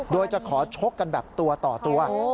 โดยจะขอชกกันแบบตัวต่อตัว